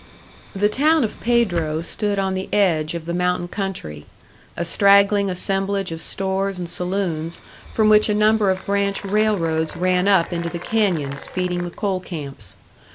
The town of Pedro stood on the edge of the mountain country; a straggling assemblage of stores and saloons from which a number of branch railroads ran up into the canyons, feeding the coal camps.